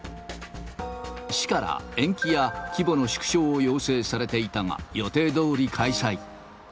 市から延期や規模の縮小を要請されていたが、予定どおり開催。